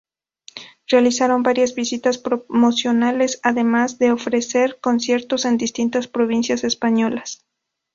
Realizaron varias visitas promocionales, además de ofrecer conciertos en distintas provincias españolas.